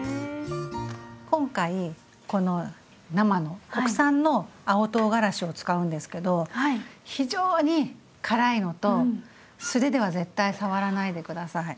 今回この生の国産の青とうがらしを使うんですけど非常に辛いのと素手では絶対触らないで下さい。